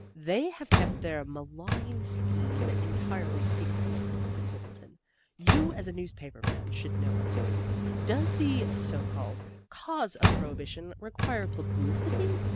"They have kept their malign scheme entirely secret," said Quimbleton. "You, as a newspaper man, should know it. Does the (so called) cause of prohibition require publicity?